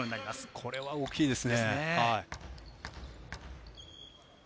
これは大きいですね。